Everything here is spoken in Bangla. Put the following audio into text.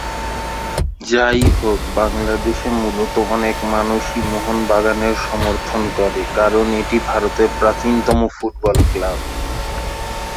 যাইহোক, বাংলাদেশে মূলত অনেক মানুষই মোহনবাগানের সমর্থন করে, কারণ এটি ভারতের প্রাচীনতম ফুটবল ক্লাব।